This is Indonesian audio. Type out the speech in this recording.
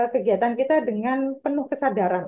kegiatan kita dengan penuh kesadaran